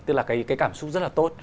tức là cái cảm xúc rất là tốt